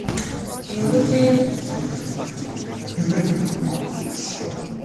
Удахгүй Хайнзан гуайг цалингаараа тэжээж гялайлгах нь ээ гэж цаашлуулан хөхөрнө.